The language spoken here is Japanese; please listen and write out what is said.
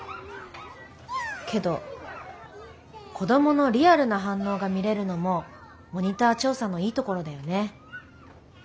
けど子どものリアルな反応が見れるのもモニター調査のいいところだよね。